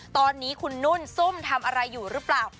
ตอนนี้คุณนุ่นซุ่มทำอะไรอยู่หรือเปล่า